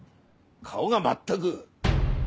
顔が全く。